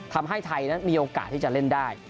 ทำให้ไทยนั้นมีโอกาสที่จะเล่นได้